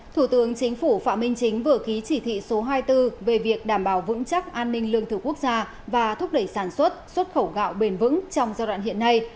thủ tướng chính phủ phạm minh chính vừa ký chỉ thị số hai mươi bốn về việc đảm bảo vững chắc an ninh lương thực quốc gia và thúc đẩy sản xuất xuất khẩu gạo bền vững trong giai đoạn hiện nay